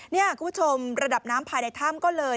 นี่คุณผู้ชมระดับน้ำภายในถ้ำก็เลย